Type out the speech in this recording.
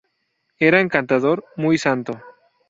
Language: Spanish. Era encantador, muy santo.